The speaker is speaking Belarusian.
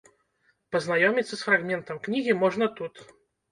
Пазнаёміцца з фрагментам кнігі можна тут.